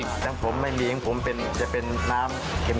น้ำผมไม่มีน้ำผมจะเป็นน้ำเค็ม